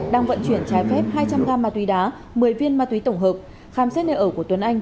đang vận chuyển trái phép hai trăm linh gam ma túy đá một mươi viên ma túy tổng hợp khám xét nơi ở của tuấn anh